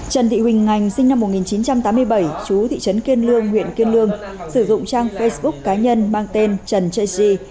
trần thị huỳnh ngành sinh năm một nghìn chín trăm tám mươi bảy chú thị trấn kiên lương huyện kiên lương sử dụng trang facebook cá nhân mang tên trần ji